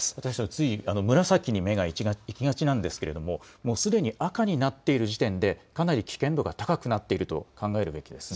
つい紫に目がいきがちですがもうすでに赤になっている時点でかなり危険度が高くなっていると考えるわけですね。